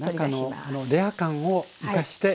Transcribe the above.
中のレア感を生かして。